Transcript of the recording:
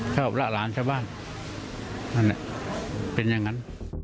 เท่าของโร้วหลาหลานชาวบ้านเป็นอย่างงั้น